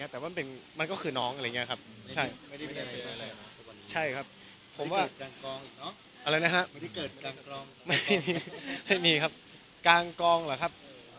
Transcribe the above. แต่มันก็คือน้องอะไรอย่างนี้ครับ